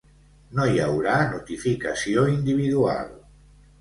No hi haurà notificació individual.